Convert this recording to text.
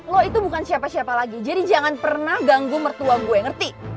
lo itu bukan siapa siapa lagi jadi jangan pernah ganggu mertua gue yang ngerti